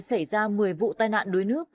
xảy ra một mươi vụ tai nạn đuối nước